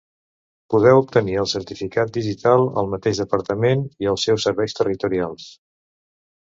Podeu obtenir el certificat digital al mateix Departament i als seus Serveis Territorials.